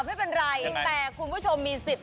ไม่เป็นไรแต่คุณผู้ชมมีสิทธิ์